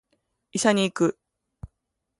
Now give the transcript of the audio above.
医者に行く